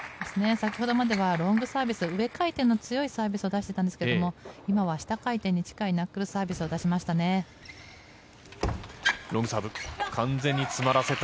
先ほどまではロングサービス上回転の強いサービスを出していたんですが今は下回転に近いナックルサービスを出しました。